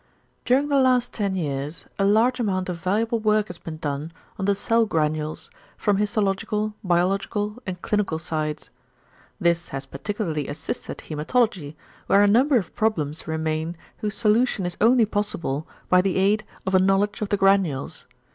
During the last ten years a large amount of valuable work has been done on the cell granules from histological, biological and clinical sides. This has particularly assisted hæmatology, where a number of problems remain whose solution is only possible by the aid of a knowledge of the granules.